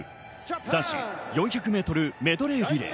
男子４００ｍメドレーリレー。